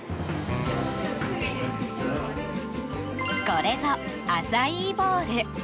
これぞ、アサイーボウル。